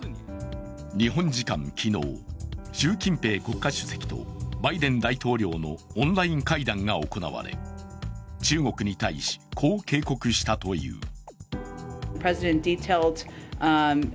日本時間昨日、習近平国家主席とバイデン大統領のオンライン会談が行われ、中国に対しこう警告したという。